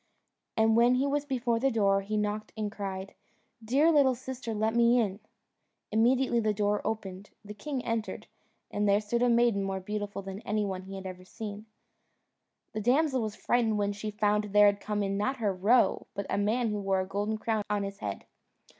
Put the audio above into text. And when he was before the door he knocked and cried, "Dear little sister, let me in." Immediately the door opened, the king entered, and there stood a maiden more beautiful than any one he had ever seen. The damsel was frightened when she found there had come in, not her roe, but a man who wore a golden crown on his head.